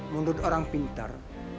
menurut orang pintar